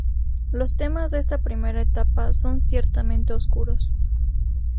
Los temas de esta primera etapa son ciertamente oscuros.